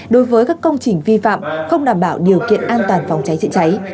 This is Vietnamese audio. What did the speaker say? đối với các công trình vi phạm không đảm bảo điều kiện an toàn phòng cháy chữa cháy